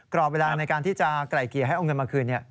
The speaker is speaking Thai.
กรอบเวลาในการที่จะไกล่เกลี่ยให้เอาเงินมาคืน